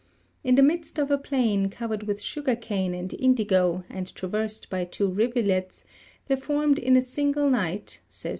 In the midst of a plain covered with sugar cane and indigo, and traversed by two rivulets, there formed in a single night, says M.